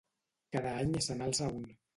Cada any se n'alça un.